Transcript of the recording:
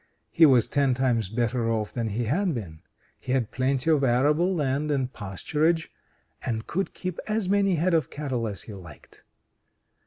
He was ten times better off than he had been. He had plenty of arable land and pasturage, and could keep as many head of cattle as he liked.